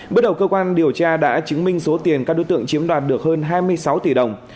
bước đầu cơ quan điều tra đã chứng minh số tiền các đối tượng chiếm đoạt được hơn hai mươi sáu tỷ đồng